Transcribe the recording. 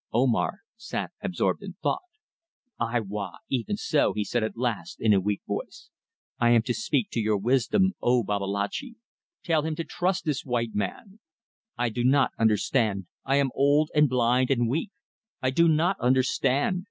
Omar sat absorbed in thought. "Ay wa! Even so!" he said at last, in a weak voice. "I am to speak your wisdom, O Babalatchi! Tell him to trust the white man! I do not understand. I am old and blind and weak. I do not understand.